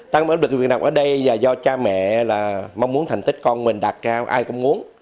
tăng áp lực việc học ở đây là do cha mẹ mong muốn thành tích con mình đạt cao ai cũng muốn